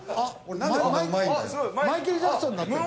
マイケルマイケル・ジャクソンになってる。